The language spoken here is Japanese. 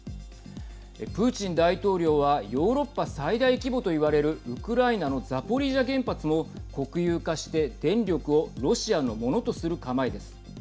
プーチン大統領はヨーロッパ最大規模といわれるウクライナのザポリージャ原発も国有化して電力をロシアのものとする構えです。